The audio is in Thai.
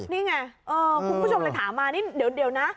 นี่ไงคุณผู้ชมเลยถามมานี่เดี๋ยวนะ